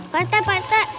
pak teh pak teh